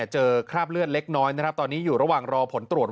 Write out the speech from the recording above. คราบเลือดเล็กน้อยนะครับตอนนี้อยู่ระหว่างรอผลตรวจ